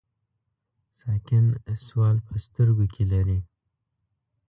ساکن سوال په سترګو کې لري.